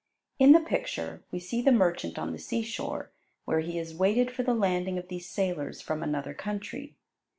In the picture we see the merchant on the sea shore, where he has waited for the landing of these sailors from another country.